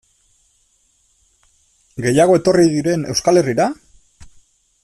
Gehiago etorri diren Euskal Herrira?